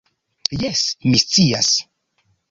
Jes, mi scias